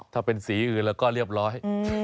ถ้าเป็นสีอื่นแล้วก็เรียบร้อย